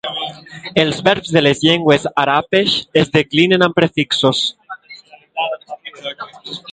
Els verbs de les llengües arapesh es declinen amb prefixos.